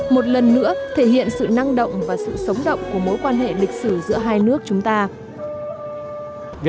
một lần nữa thể hiện sự năng động và sự sống động của mối quan hệ